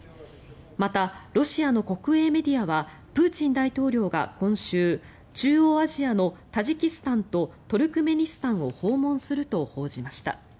また、ロシアの国営メディアはプーチン大統領が今週中央アジアのタジキスタンとトルクメニスタンを訪問すると報じました。